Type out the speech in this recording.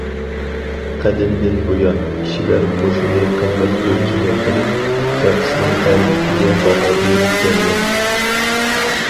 قەدىمدىن بۇيان، كىشىلەر مۇشۇنى قىممەت ئۆلچىمى قىلىپ، شەخسنىڭ ھەرىكىتىگە باھا بېرىپ كەلگەن.